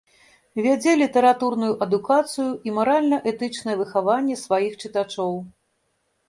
Вядзе літаратурную адукацыю і маральна-этычнае выхаванне сваіх чытачоў.